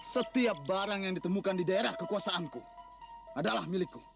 setiap barang yang ditemukan di daerah kekuasaanku adalah milikku